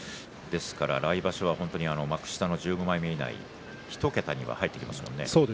来場所は幕下の１５枚目以内１桁に入ってきますね。